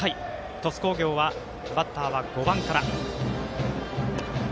鳥栖工業はバッターは５番から。